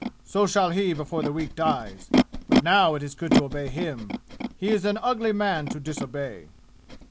"So shall he before the week dies! But now it is good to obey him. He is an ugly man to disobey!"